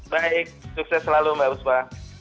baik sukses selalu mbak uspa